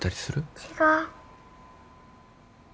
違う。